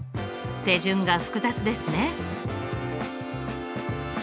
手順が複雑ですね。